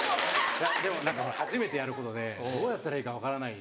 いやでも何かほら初めてやることでどうやったらいいか分からない。